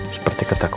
seperti kata mama